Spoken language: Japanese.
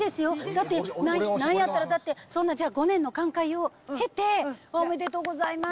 だって、なんやったら、だって、５年の寛解を経て、おめでとうございます。